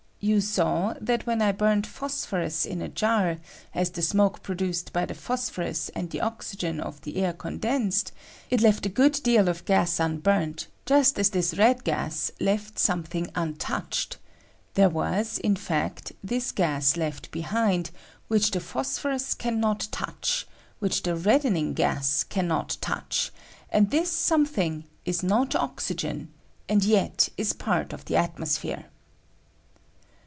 You saw that when I burnt phosphorus in a jar, as the smoke produced by tlie phosphorus and the oxygen of the air con Ideneed, it left a good deal of gas nnburnt, just as this red gas left something untouched ; there was, in fact, this gas left behind, which ■flie phosphorua can not' touch, which the red dening gas can not touch, and this something is not oxygen, and yet is part of the atmos phere.